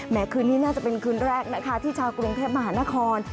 คืนนี้น่าจะเป็นคืนแรกนะคะที่ชาวกรุงเทพมหานคร